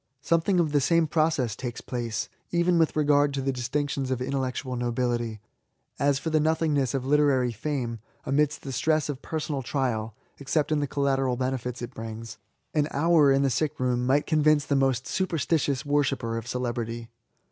Something of the same process takes place^ even with regard to the distinctions of intellectual nobility* As for the nothingness of literary fame^ amidst the stress of personal trial (except in the collateral benefits it brings)^ an hour in the sick room might convince the most superstitious worshipper of celebrity.